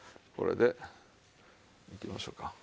これでいきましょうか。